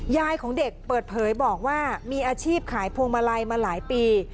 ยายของเด็กเปิดเผยบอกว่ามีอาชีพขายพวงมาลัยมาหลายปี